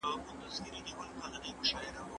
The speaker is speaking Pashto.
بشري قوانین نسي کولای پوره عدالت راولي.